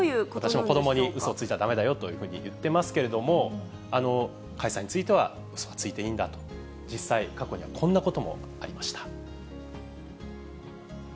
私も子どもに、うそをついてはだめだよと言ってますけれども、解散についてはうそはついていいんだと、実際、過去にはこんなこともありました。